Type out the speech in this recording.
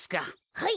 はい。